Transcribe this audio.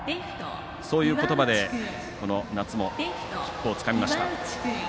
そういうことばでこの夏の切符をつかみました。